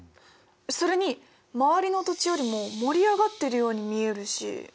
それに周りの土地よりも盛り上がってるように見えるし。